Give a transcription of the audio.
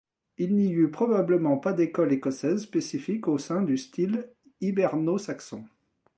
Il n'y eut probablement pas d'école écossaise spécifique au sein du style hiberno-saxon.